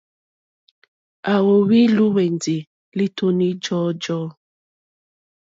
À wóhwì lùwɛ̀ndì lítúní jɔ̀ɔ́jɔ̀ɔ́.